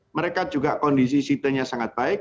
mereka juga kondisi sitenya sangat baik